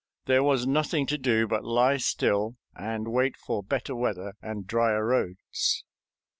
There was nothing to do but lie still and wait for better weather and drier roads.